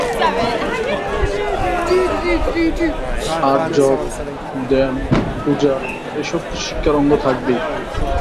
আর জপ, ধ্যান, পূজা এ-সব তো শিক্ষার অঙ্গ থাকবেই।